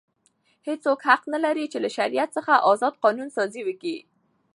هیڅوک حق نه لري، چي له شریعت څخه ازاد قانون سازي وکي.